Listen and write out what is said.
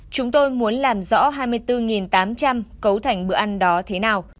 chúng tôi muốn làm rõ hai mươi bốn tám trăm linh cấu thành bữa ăn đó thế nào